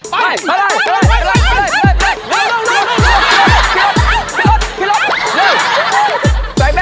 ไปเลย